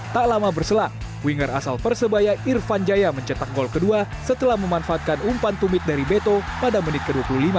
tak lama berselang winger asal persebaya irfan jaya mencetak gol kedua setelah memanfaatkan umpan tumit dari beto pada menit ke dua puluh lima